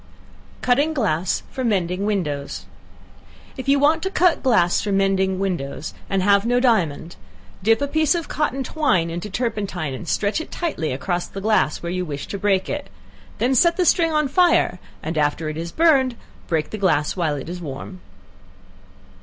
Cutting Glass for Mending Windows. If you want to cut glass for mending windows, and have no diamond, dip a piece of cotton twine into turpentine, and stretch it tightly across the glass where you wish to break it; then set the string on fire, and after it is burned, break the glass while it is warm.